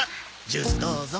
ジュースどうぞ。